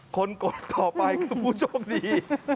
คนกดต่อไปคือผู้โชคดี